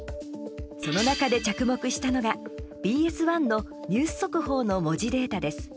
その中で着目したのが、ＢＳ１のニュース速報の文字データです。